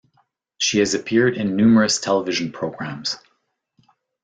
She has appeared in numerous television programs.